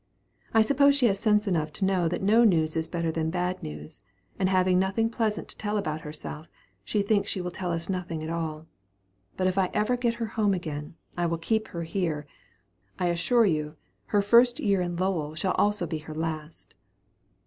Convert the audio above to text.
I suppose she has sense enough to know that no news is better than bad news, and having nothing pleasant to tell about herself, she thinks she will tell us nothing at all. But if I ever get her home again, I will keep her here. I assure you, her first year in Lowell shall also be her last."